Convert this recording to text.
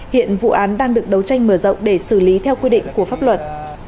hiện vụ án đang được đấu tranh mở rộng để xử lý theo quy định của pháp luật